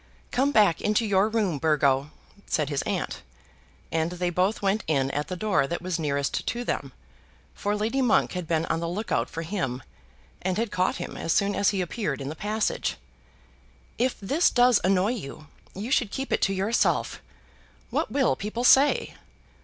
"Come back into your room, Burgo," said his aunt; and they both went in at the door that was nearest to them, for Lady Monk had been on the look out for him, and had caught him as soon as he appeared in the passage. "If this does annoy you, you should keep it to yourself! What will people say?"